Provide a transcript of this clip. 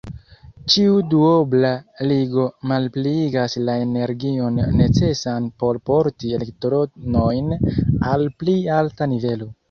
Ĉiu duobla ligo malpliigas la energion necesan por porti elektronojn al pli alta nivelo.